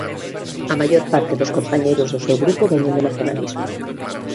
A maior parte dos compañeiros do seu grupo veñen do nacionalismo.